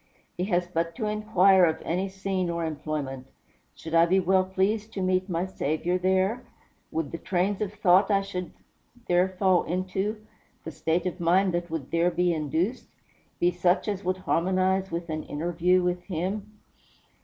He has but to inquire of any scene or employment, "Should I be well pleased to meet my Saviour there? Would the trains of thought I should there fall into, the state of mind that would there be induced, be such as would harmonize with an interview with him?"